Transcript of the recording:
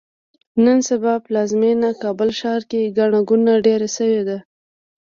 نن سبا پلازمېینه کابل ښار کې ګڼه ګوڼه ډېره شوې ده.